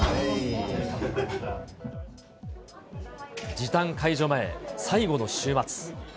時短解除前、最後の週末。